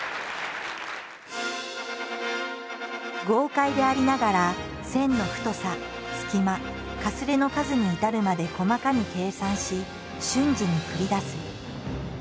豪快でありながら線の太さ隙間かすれの数に至るまで細かに計算し瞬時に繰り出す。